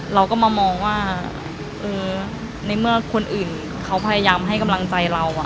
เราก็มามองว่าในเมื่อคนอื่นเขาพยายามให้กำลังใจเรา